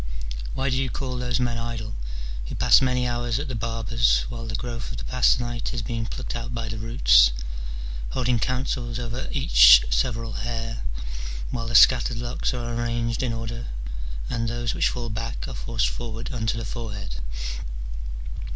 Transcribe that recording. Why, do you call those men idle, who pass many hours at the barber's while the growth of the past night is being plucked out by the roots, holding councils over each several hair, while the scattered locks are arranged in order and those which fall back are forced forward on to the forehead